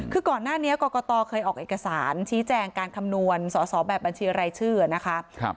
คือก่อนหน้านี้กรกตเคยออกเอกสารชี้แจงการคำนวณสอสอแบบบัญชีรายชื่อนะคะ